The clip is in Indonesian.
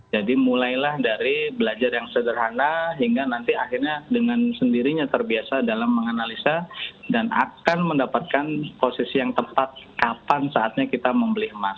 jadi mulailah dari belajar yang sederhana hingga nanti akhirnya dengan sendirinya terbiasa dalam menganalisa dan akan mendapatkan posisi yang tepat kapan saatnya kita membeli emas